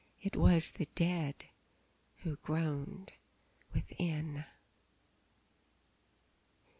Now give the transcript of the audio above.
It was the dead who groaned within.